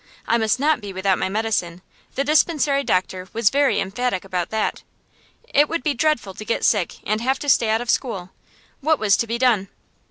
I must not be without my medicine; the dispensary doctor was very emphatic about that. It would be dreadful to get sick and have to stay out of school. What was to be done?